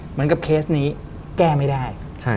เหมือนกับเคสนี้แก้ไม่ได้